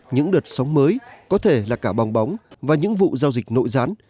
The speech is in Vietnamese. những đợt sóng mới có thể là cả bong bóng và những vụ giao dịch nội gián